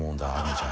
ちゃん。